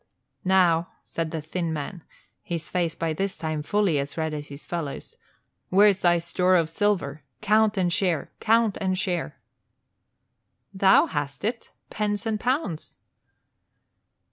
"Now," said the thin man, his face by this time fully as red as his fellow's, "where's thy store of silver? Count and share, count and share." "Thou hast it, pence and pounds."